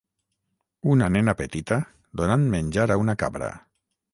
Una nena petita donant menjar a una cabra.